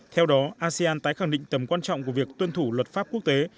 theo đó asean tái khẳng định tầm quan trọng của việc tuân thủ luật pháp quốc tế